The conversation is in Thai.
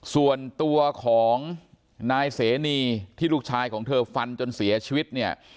ส่วนตัวของนายเสนีที่ลูกชายของเธอฟันจนเสียชีวิตเนี่ย